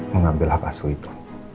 mengambil hak asuh itu